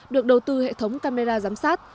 được đầu tư hệ thống camera giám sát